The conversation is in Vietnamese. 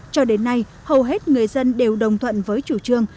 cho đến nay hầu hết người dân đều đồng thuận với chủ trương